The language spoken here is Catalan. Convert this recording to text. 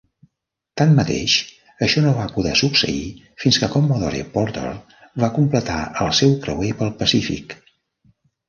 Tanmateix, això no va poder succeir fins que Commodore Porter va completar el seu creuer pel Pacífic.